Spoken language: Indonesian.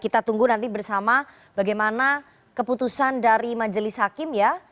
kita tunggu nanti bersama bagaimana keputusan dari majelis hakim ya